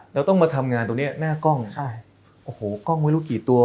เราต้องมาทำงานตัวเนี้ยหน้ากล้องกล้องไม่รู้กี่ตัว